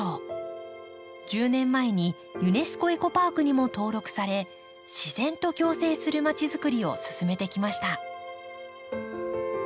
１０年前にユネスコエコパークにも登録され自然と共生するまちづくりを進めてきました。